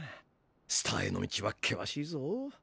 スターへの道はけわしいぞ。